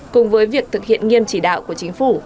cùng với việc thực hiện nghiêm chỉ đạo của chính phủ